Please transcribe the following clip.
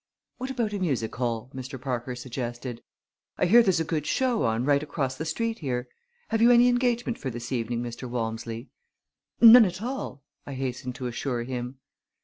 "What about a music hall?" Mr. Parker suggested. "I hear there's a good show on right across the street here. Have you any engagement for this evening, Mr. Walmsley?" "None at all," I hastened to assure him.